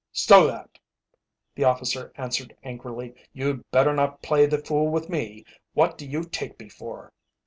"Stow that," the officer answered angrily. "You'd better not play the fool with me. What do you take me for?"